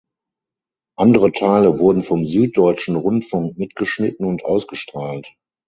Andere Teile wurden vom Süddeutschen Rundfunk mitgeschnitten und ausgestrahlt.